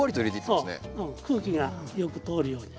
そう空気がよく通るように。